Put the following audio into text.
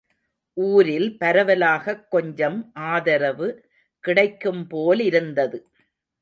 ஊரில் பரவலாகக் கொஞ்சம் ஆதரவு கிடைக்கும் போலிருந்தது.